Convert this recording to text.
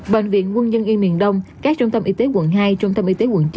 bệnh viện quân dân y miền đông các trung tâm y tế quận hai trung tâm y tế quận chín